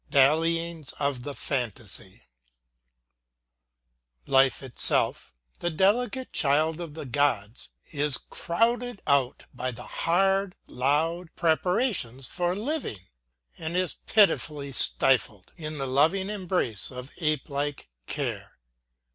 DALLYINGS OF THE FANTASY Life itself, the delicate child of the gods, is crowded out by the hard, loud preparations for living, and is pitifully stifled in the loving embrace of apelike Care.